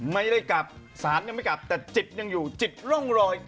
ไม่ได้กลับสารยังไม่กลับแต่จิตยังอยู่จิตร่องรอย